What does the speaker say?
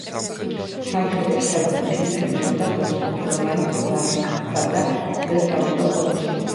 სამშობლოში დაბრუნების შემდეგ მუშაობდა ბოტსვანის ბანკსა და მსოფლიო სავალუტო ფონდში.